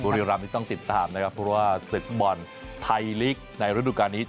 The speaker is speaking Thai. บุรีรำนี้ต้องติดตามนะครับเพราะว่าศึกบอลไทยลีกในฤดูการนี้